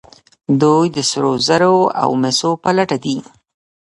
دوی د سرو زرو او مسو په لټه دي.